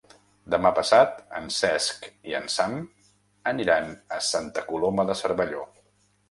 Demà passat en Cesc i en Sam aniran a Santa Coloma de Cervelló.